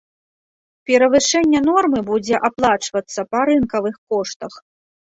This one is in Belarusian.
Перавышэнне нормы будзе аплачвацца па рынкавых коштах.